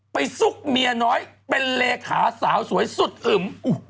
ซุกเมียน้อยเป็นเลขาสาวสวยสุดอึม